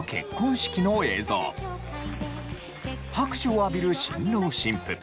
拍手を浴びる新郎新婦。